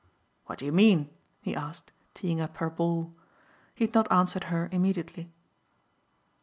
"What do you mean?" he asked teeing up her ball. He had not answered her immediately.